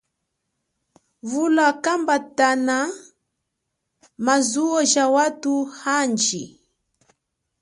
Vula kambata ma zuwo ja athu anji.